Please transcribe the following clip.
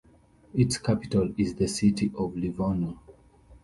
Its capital is the city of Livorno.